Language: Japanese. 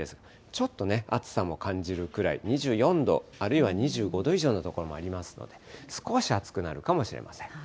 ちょっとね、暑さも感じるくらい、２４度、あるいは２５度以上の所もありますので、少し暑くなるかもしれません。